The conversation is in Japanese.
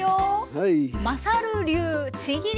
はい。